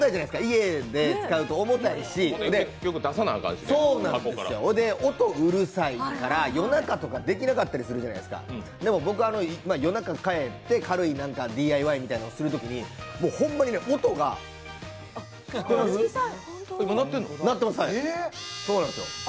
家で使うと重たいし音うるさいから、夜中とか、できなかったりするじゃないですか、でも僕、夜中帰って軽いＤＩＹなんかをするときに、ホンマに音が鳴ってます。